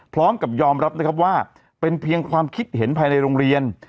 พร้อมกับยอมรับนะครับว่าเป็นเพียงความคิดเห็นภายในโรงเรียน